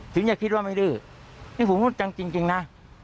ถึงจะคิดว่าไม่ดื้อนี่ผมพูดจังจริงนะ